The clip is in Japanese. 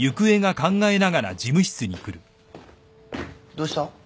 どうした？